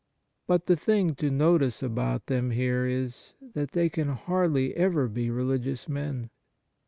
But the thing to notice about them here is, that they can hardly ever be religious men.